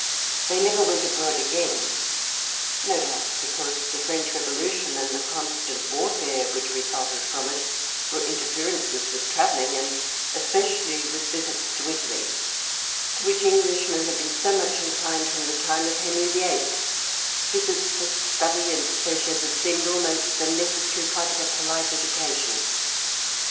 They never went abroad again, no doubt because the French Revolution and the constant warfare which resulted from it were inter ferences with travelling, and especially with visits to Italy to which Englishmen had been so much inclined from the time of Henry VIII, visits for study and pleasure that seemed almost a necessary part of a polite Education.